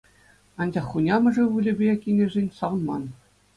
Анчах хунямӑшӗ ывӑлӗпе кинӗшӗн савӑнман.